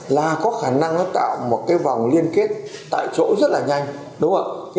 là có khả năng tạo một vòng liên kết tại chỗ rất là nhanh